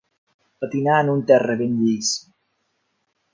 Patinar en un terra ben llis.